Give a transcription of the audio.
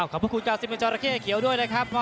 ขอบคุณกาวซิเมนจอราเข้เขียวด้วยนะครับ